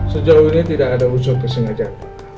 sejauh ini tidak ada unsur kesengajaan